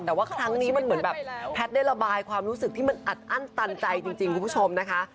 แต่ว่าครั้งนี้มันเหมือนแบบแพทย์ได้ระบายความรู้สึกที่มันอัดอั้นตันใจจริงคุณผู้ชมนะคะ